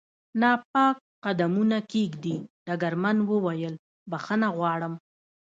ناپاک قدمونه کېږدي، ډګرمن وویل: بخښنه غواړم.